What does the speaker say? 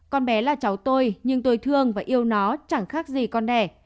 con bé là cháu tôi nhưng tôi thương và yêu nó chẳng khác gì con đẻ